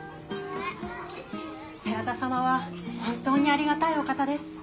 世良田様は本当にありがたいお方です。